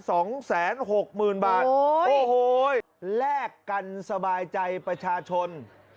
โอ้โหแรกกันสบายใจประชาชน